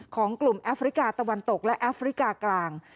ของกลุ่มแอฟริกาตะวันตกและแอฟริกากลาง